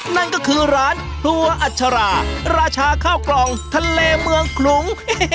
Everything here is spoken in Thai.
นั่นก็คือร้านครัวอัชราราชาข้าวกล่องทะเลเมืองขลุง